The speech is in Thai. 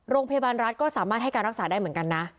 โรงพยาบาลรัฐก็สามารถให้การรักษาได้เหมือนกันนะ